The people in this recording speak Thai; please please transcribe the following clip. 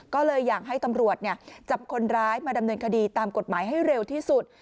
ก็เลยอยากให้ตำรวจจับคนร้ายมาดำเนินคดีตามกฎหมายให้เร็วที่สุด